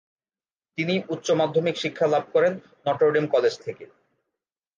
তিনি উচ্চ মাধ্যমিক শিক্ষা লাভ করেন নটর ডেম কলেজ থেকে।